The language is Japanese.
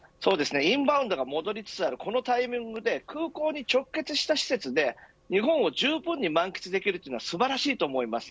インバウンドが戻りつつあるこのタイミングで空港に直結した施設で日本をじゅうぶんに満喫できるというのは素晴らしいです。